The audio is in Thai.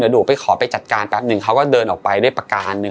เดี๋ยวหนูไปขอไปจัดการแป๊บหนึ่งเขาก็เดินออกไปได้ประการหนึ่ง